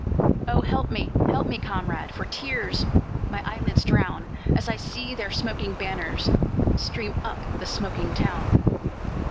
"Oh, help me, help me, comrade! For tears my eyelids drown, As I see their smoking banners Stream up the smoking town.